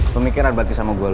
pemikiran batis sama gua lu